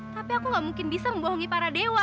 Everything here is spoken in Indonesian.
tapi aku gak mungkin bisa membohongi para dewa